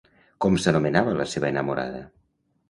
Com s'anomenava la seva enamorada?